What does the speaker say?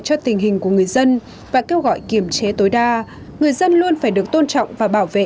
cho tình hình của người dân và kêu gọi kiềm chế tối đa người dân luôn phải được tôn trọng và bảo vệ